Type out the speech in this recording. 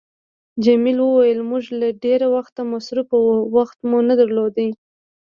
جميلې وويل: موږ له ډېره وخته مصروفه وو، وخت مو نه درلود.